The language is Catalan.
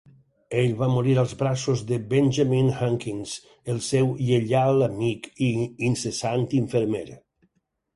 Ell va morir als braços de Benjamin Hunkins, el seu lleial amic i incessant infermer.